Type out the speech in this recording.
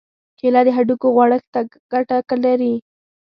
کېله د هډوکو غوړښت ته ګټه لري.